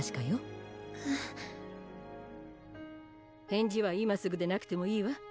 返事は今すぐでなくてもいいわ。